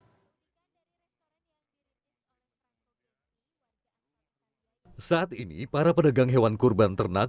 saat ini para pedagang hewan kurban ternak